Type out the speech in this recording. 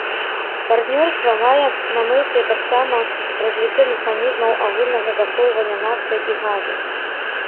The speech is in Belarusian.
Партнёрства мае на мэце таксама развіццё механізмаў агульнага захоўвання нафты і газу.